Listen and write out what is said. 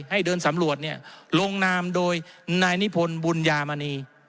ให้เดินสำรวจลงนามโดยนายนิพนธ์บุญญามณี